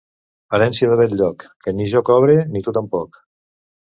Herència de Bell-lloc, que ni jo cobre ni tu tampoc.